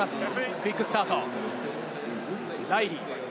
クイックスタート。